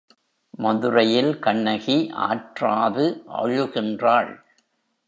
மதுரையில் கண்ணகி ஆற்றாது அழுகின்றாள்.